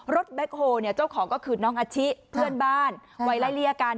แบ็คโฮเนี่ยเจ้าของก็คือน้องอาชิเพื่อนบ้านวัยไล่เลี่ยกัน